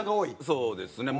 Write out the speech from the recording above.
そうですね。